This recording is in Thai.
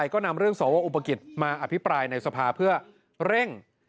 ก็นำเรื่องสวอุปกิจมาอภิปรายในสภาเพื่อเร่ง